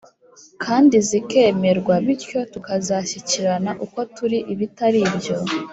kandi zikemerwa Bityo tuzashyikirana uko turi Ibitari ibyo